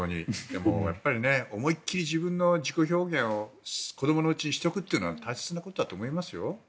でも、やっぱり思い切り自己表現を子供のうちにしておくのは大切なことだと思いますよ。